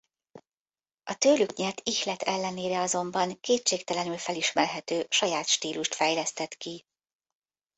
A tőlük nyert ihlet ellenére azonban kétségtelenül felismerhető saját stílust fejlesztett ki.